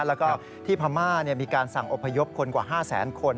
แล้วก็ที่พม่ามีการสั่งอพยพคนกว่า๕แสนคน